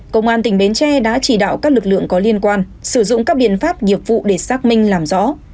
công an tỉnh bến tre đã chỉ đạo các lực lượng có liên quan sử dụng các biện pháp nghiệp vụ để xác minh làm rõ